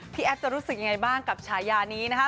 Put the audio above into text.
แอฟจะรู้สึกยังไงบ้างกับฉายานี้นะคะ